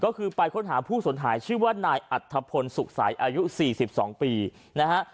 ก็คือไปค้นหาผู้สนหายชื่อว่านายอัธพลสุขใสอายุ๔๒ปีนะฮะ